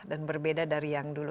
dan berbeda dari yang dulu